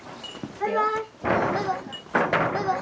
バイバイ。